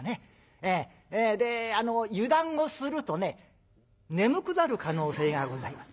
で油断をするとね眠くなる可能性がございます。